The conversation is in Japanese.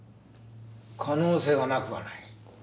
可能性はなくはない。